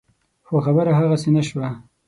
خو خبره هغسې نه شوه.